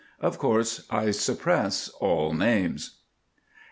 Of course I suppress all names.